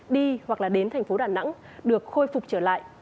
đi hoặc là đến thành phố đà nẵng được khôi phục trở lại